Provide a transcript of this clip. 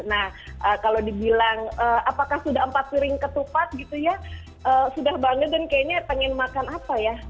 nah kalau dibilang apakah sudah empat piring ketupat gitu ya sudah banget dan kayaknya pengen makan apa ya